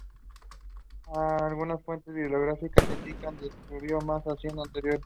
Algunas fuentes biográficas indican que descubrió más de cien asteroides.